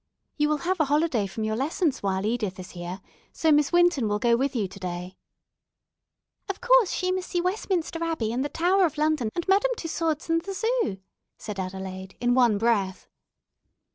"You will have a holiday from your lessons while Edith is here, so Miss Winton will go with you to day." "Of course she must see Westminster Abbey, and the Tower of London, and Madame Tussaud's, and the Zoo," said Adelaide, in one breath.